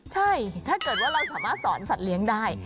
ใช่ถ้าเกิดว่าเราสามารถสอนสัตว์เลี้ยงได้